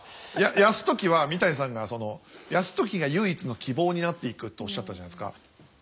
泰時は三谷さんが泰時が唯一の希望になっていくとおっしゃったじゃないですか。